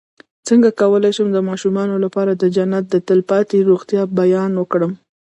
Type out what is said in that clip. څنګه کولی شم د ماشومانو لپاره د جنت د تل پاتې روغتیا بیان کړم